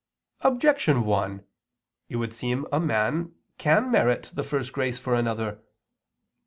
Objection 1: It would seem that a man can merit the first grace for another.